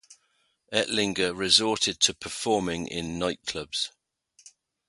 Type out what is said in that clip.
Eltinge resorted to performing in nightclubs.